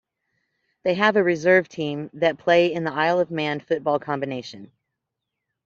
They have a reserve team that play in the Isle of Man Football Combination.